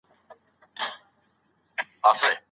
فکر د عقل هنداره ده.